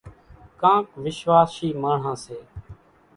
ڪانڪ وِشواشِي ماڻۿان سي۔